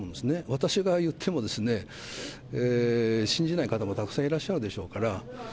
私が言っても信じない方もたくさんいらっしゃるでしょうから。